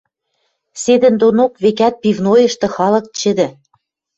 Седӹндонок, векӓт, пивнойышты халык чӹдӹ.